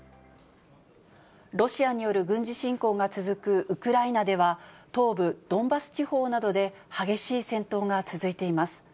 ロシアによる軍事侵攻が続くウクライナでは、東部ドンバス地方などで激しい戦闘が続いています。